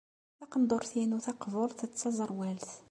Taqendurt-inu taqburt d taẓerwalt.